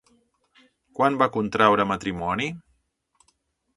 Quan va contraure matrimoni?